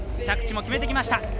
着地も決めてきました。